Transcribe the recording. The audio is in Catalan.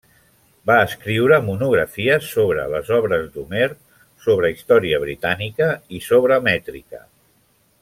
Va escriure monografies sobre les obres d'Homer, sobre història britànica i sobre mètrica.